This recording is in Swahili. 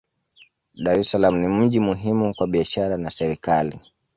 Dar es Salaam ni mji muhimu kwa biashara na serikali.